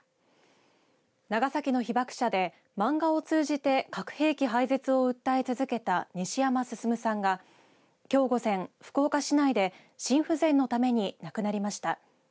長崎の被爆者で漫画を通じて核兵器廃絶を訴え続けた西山進さんがきょう午前、福岡市内で心不全のために亡くなりました。